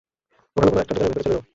ওখানে কোনো একটা দোকানের ভেতরে চলে যাও।